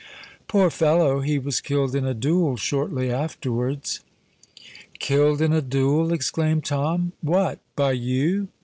Poor fellow! he was killed in a duel shortly afterwards." "Killed in a duel!" exclaimed Tom: "what—by you?"